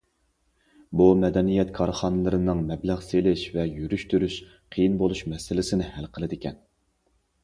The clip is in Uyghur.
بۇ مەدەنىيەت كارخانىلىرىنىڭ مەبلەغ سېلىش ۋە يۈرۈشتۈرۈش قىيىن بولۇش مەسىلىسىنى ھەل قىلىدىكەن.